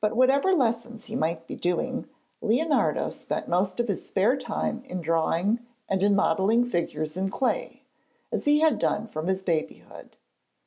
But whatever lessons he might be doing, Leonardo spent most of his spare time in drawing and in modelling figures in clay, as he had done from his babyhood.